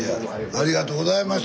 ありがとうございます！